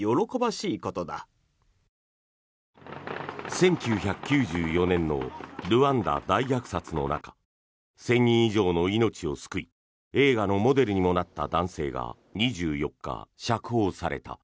１９９４年のルワンダ大虐殺の中１０００人以上の命を救い映画のモデルにもなった男性が２４日、釈放された。